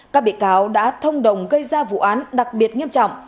các bị cáo đã thông đồng gây ra vụ án đặc biệt nghiêm trọng